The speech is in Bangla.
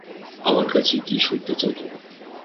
আমার কাছে কী শুনতে চাও তুমি?